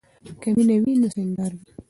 که مینه وي نو سینګار وي.